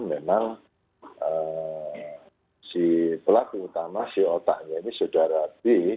memang si pelaku utama si otaknya ini sudara t